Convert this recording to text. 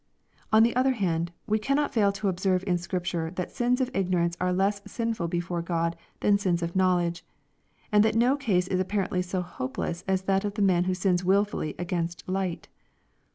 On the other hand, we cannot fail to observe in Scripture that sins of ignorance are less sinful before God than sins of knowledge, and that, no case is apparently so hopeless as that of the man who sins wiFully against light.